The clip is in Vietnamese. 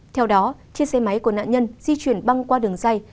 theo đó chiếc xe máy của nạn nhân di chuyển băng qua đường dây